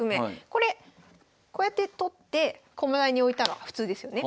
これこうやって取って駒台に置いたら普通ですよね。